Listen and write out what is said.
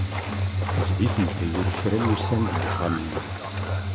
Tezdi-ten tayri kra n wussan deg uxxam-nni.